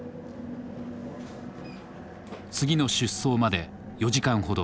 次の出走まで４時間ほど。